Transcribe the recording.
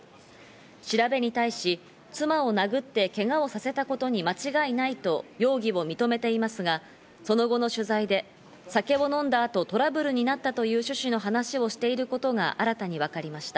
調べに対し、妻を殴って、けがをさせたことに間違いないと容疑を認めていますが、その後の取材で、酒を飲んだ後、トラブルになったという趣旨の話をしていることが新たに分かりました。